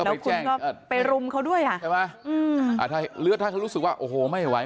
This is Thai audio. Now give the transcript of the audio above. แล้วคุณก็ไปรุมเขาด้วยใช่ไหมถ้ารู้สึกว่าไม่ไหว